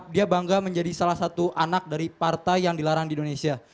dia bangga menjadi salah satu anak dari partai yang dilarang di indonesia